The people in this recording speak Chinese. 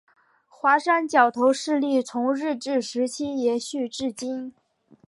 华山角头势力从日治时期延续至今。